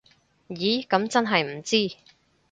咦噉真係唔知